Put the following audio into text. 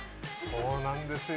そうなんですよ